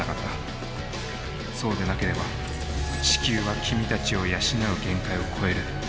そうでなければ地球は君たちを養う限界を超える。